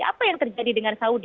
apa yang terjadi dengan saudi